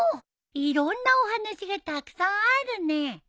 いろんなお話がたくさんあるね。